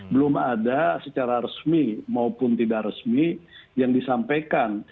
belum ada secara resmi maupun tidak resmi yang disampaikan